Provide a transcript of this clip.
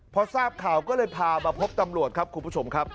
พอทราบข่าวก็เลยพามาพบตำรวจครับคุณผู้ชมครับ